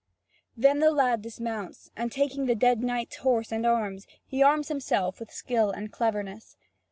Then the lad dismounts, and taking the dead knight's horse and arms, he arms himself with skill and cleverness.